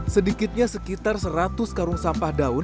sedikitnya sekitar seratus karung sampah di blangkrung